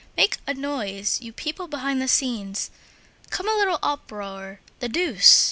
Make a noise, you people behind the scenes. Come, a little uproar, the deuce!